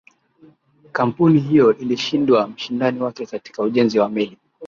kampuni hiyo ilimshinda mshindani wake katika ujenzi wa meli